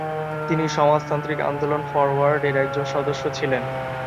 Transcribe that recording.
তিনি সমাজতান্ত্রিক আন্দোলন "ফরওয়ার্ড"-এর একজন সদস্য ছিলেন।